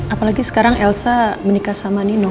apalagi sekarang elsa menikah sama nino